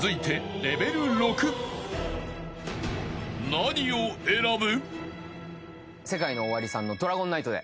［何を選ぶ？］